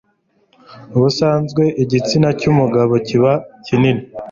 Ubusanzwe igitsina cy'umugabo kiba kinini